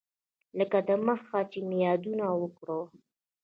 لکه دمخه چې مې یادونه وکړه.